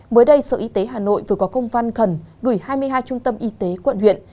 mới đây sở y tế hà nội vừa có công văn khẩn gửi hai mươi hai trung tâm y tế quận huyện